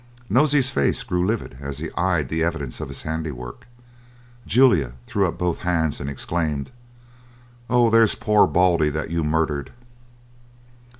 Nosey's face grew livid as he eyed the evidence of his handiwork; Julia threw up both hands, and exclaimed: "Oh! there's poor Baldy that you murdered!"